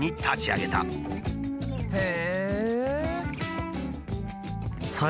へえ！